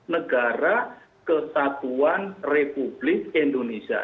negara kesatuan republik indonesia